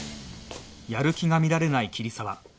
やる気が見られない桐沢